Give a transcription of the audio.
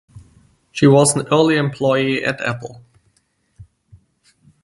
She was an early employee at Apple.